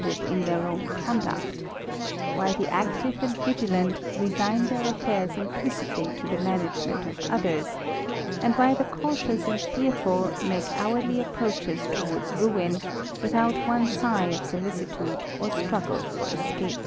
^ in their own conduct ; why the active and vigilant resigs^ their affairs implicitly to the management of otherS/ and why the cautious and fearful make hourly approached towards ruin, without one sigh of solicitude or struggle fir escape.